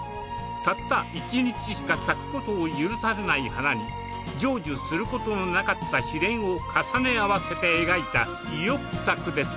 たった１日しか咲くことを許されない花に成就することのなかった悲恋を重ね合わせて描いた意欲作です。